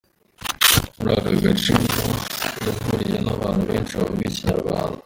Muri aka gace ngo yahahuriye n’abantu benshi bavuga Ikinyarwanda.